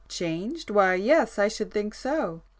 "Changed? Why yes, I should think so!"